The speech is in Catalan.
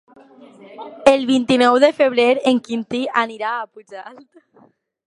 El vint-i-nou de febrer en Quintí anirà a Pujalt.